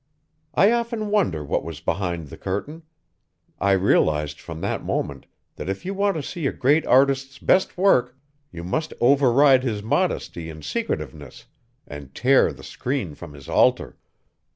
I often wonder what was behind the curtain. I realized from that moment that if you want to see a great artist's best work, you must override his modesty and secretiveness and tear the screen from his altar!"